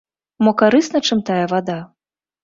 Мо карысна чым тая вада?